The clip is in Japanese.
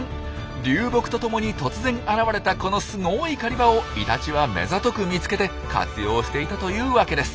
流木とともに突然現れたこのすごい狩り場をイタチは目ざとく見つけて活用していたというワケです。